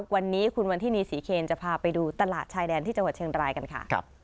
วันนี้คุณวันทินีศรีเคนจะพาไปดูตลาดชายแดนที่จังหวัดเชียงรายกันค่ะ